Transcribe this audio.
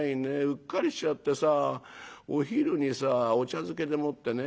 うっかりしちゃってさお昼にさお茶漬けでもってね